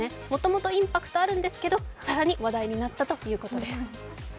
もともとインパクトあるんですけど更に話題になったということです。